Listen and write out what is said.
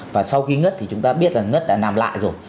và sau khi ngất thì chúng ta biết là ngất đã nằm lại rồi